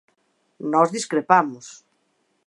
Nós discrepamos.